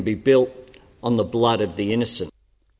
bahwa kemenangan dapat dibuat